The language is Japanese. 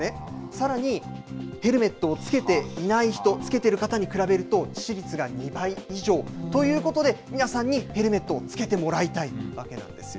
さらに、ヘルメットをつけていない人、つけてる方に比べると致死率が２倍以上ということで、皆さんにヘルメットをつけてもらいたいわけなんですよ。